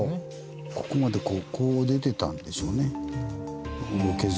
ここまでこう出てたんでしょうね。